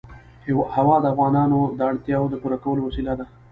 هوا د افغانانو د اړتیاوو د پوره کولو وسیله ده.